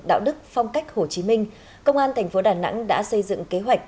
đạo đức phong cách hồ chí minh công an tp đà nẵng đã xây dựng kế hoạch